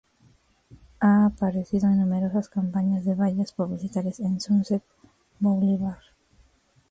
Ha aparecido en numerosas campañas de vallas publicitarias en Sunset Boulevard.